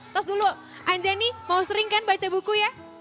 tos dulu anjani mau sering kan baca buku ya